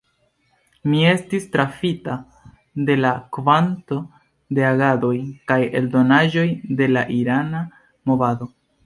Mi estis trafita de la kvanto de agadoj kaj eldonaĵoj de la irana movado.